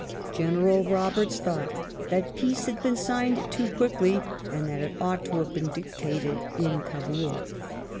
General Roberts thought that " peace had been signed too quickly," and that it ought to have been dictated in Kabul.